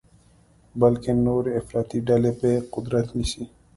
بلکې نورې افراطي ډلې به قدرت نیسي.